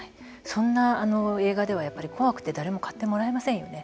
そんな映画では怖くて誰も買ってもらえませんよね。